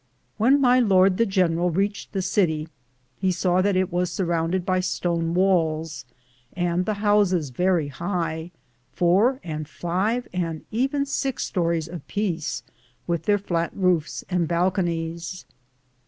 When my lord the general reached the city, he saw that it was surrounded by stone walls, and the houses very high, four and five and even six stories apiece, with their flat roofs and balconies.